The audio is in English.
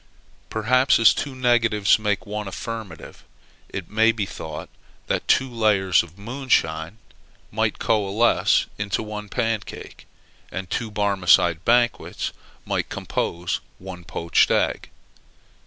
Perhaps, as two negatives make one affirmative, it may be thought that two layers of moonshine might coalesce into one pancake; and two Barmecide banquets might compose one poached egg.